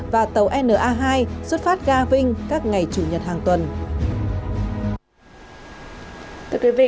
và tàu na hai xuất phát ga vinh các ngày chủ nhật hàng tuần